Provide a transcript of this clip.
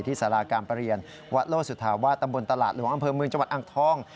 สาราการประเรียนวัดโลสุธาวาสตำบลตลาดหลวงอำเภอเมืองจังหวัดอ่างทอง